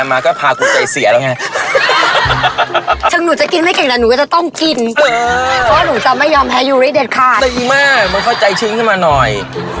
ตรงมากก็เขาใจชิ้นขึ้นมาหน่อย